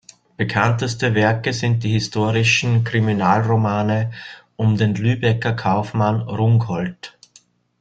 Bekannteste Werke sind die historischen Kriminalromane um den Lübecker Kaufmann Rungholt.